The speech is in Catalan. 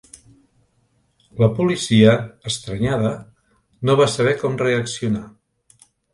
La policia, estranyada, no va saber com reaccionar.